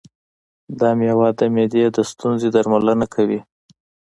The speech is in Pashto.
دا مېوه د معدې د ستونزو درملنه کوي.